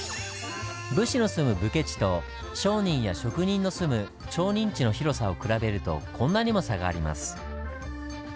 武士の住む「武家地」と商人や職人の住む「町人地」の広さを比べるとこんなにも差があります。